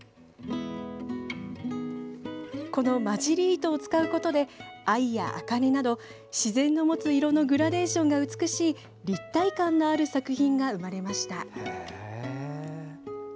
この混じり糸を使うことで藍や茜など自然の持つ色のグラデーションが美しい立体感のある作品が生まれました。